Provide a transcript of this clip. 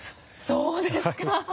そうですか。